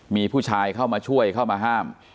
มีผู้ชายเข้ามาช่วยเข้ามาห้าม